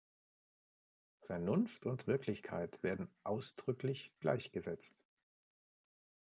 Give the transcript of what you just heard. Vernunft und Wirklichkeit werden ausdrücklich gleichgesetzt.